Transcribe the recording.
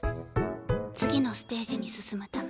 次のステージに進むため。